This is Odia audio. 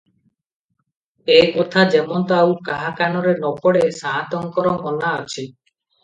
ଏ କଥା ଯେମନ୍ତ ଆଉ କାହା କାନରେ ନ ପଡେ ସାଆନ୍ତଙ୍କର ମନା ଅଛି ।"